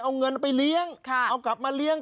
เอาเงินไปเลี้ยงเอากลับมาเลี้ยง